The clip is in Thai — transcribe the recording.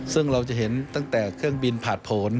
ซึ่งเราจะเห็นตั้งแต่เครื่องบินผ่านผล